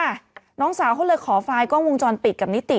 หลังนี้หน้าน้องสาวเขาเลยขอไฟล์กล้องวงจรปิดกับนิติ